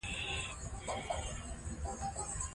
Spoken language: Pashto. په افغانستان کې ژورې سرچینې شتون لري.